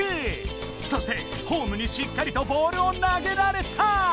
そしてホームにしっかりとボールを投げられた！